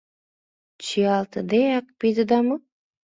Чиялтыдеак пидыда мо?